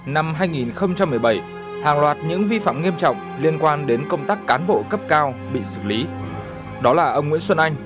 năm hai nghìn một mươi bảy hàng loạt những vi phạm nghiêm trọng liên quan đến công tác cán bộ cấp cao bị xử lý đó là ông nguyễn xuân anh